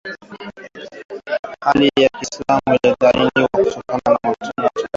Hali ya kiislamu ilidai kuwa wanachama wake waliwauwa takribani wakristo ishirini na kuchoma moto malori sita